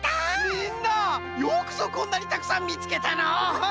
みんなよくぞこんなにたくさんみつけたのう。